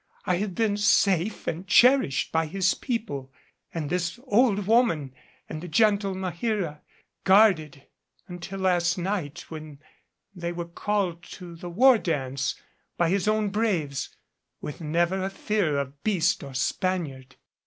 I have been safe and cherished by his people, and this old woman and the gentle Maheera; guarded, until last night when they were called to the war dance, by his own braves with never a fear of beast or Spaniard.